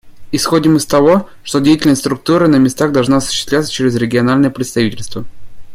Исходим из того, что деятельность Структуры на местах должна осуществляться через региональные представительства.